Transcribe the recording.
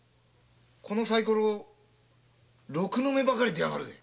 このサイコロ６の目ばかり出るぜ。